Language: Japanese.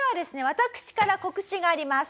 私から告知があります。